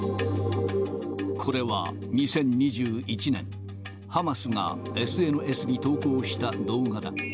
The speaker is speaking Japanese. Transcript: これは２０２１年、ハマスがＳＮＳに投稿した動画だ。